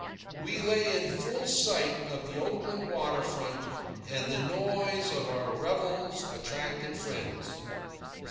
We lay in full sight of the Oakland water front, and the noise of our revels attracted friends.